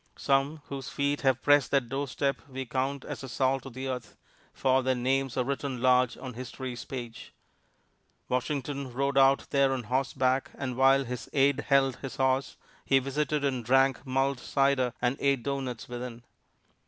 Some whose feet have pressed that doorstep we count as the salt of the earth, for their names are written large on history's page. Washington rode out there on horseback, and while his aide held his horse, he visited and drank mulled cider and ate doughnuts within.